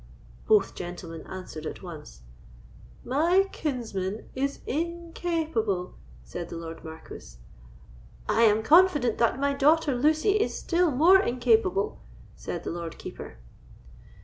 Both gentlemen answered at once. "My kinsman is incapable——" said the Lord Marquis. "I am confident that my daughter Lucy is still more incapable——" said the Lord Keeper.